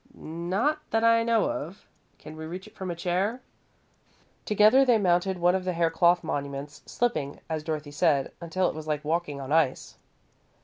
"Not that I know of. Can we reach it from a chair?" Together they mounted one of the haircloth monuments, slipping, as Dorothy said, until it was like walking on ice.